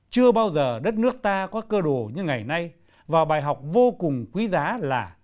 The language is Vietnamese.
chưa bao giờ đất nước ta có cơ đồ như ngày nay và bài học vô cùng quý giá là